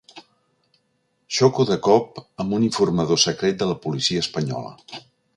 Xoco de cop amb un informador secret de la policia espanyola.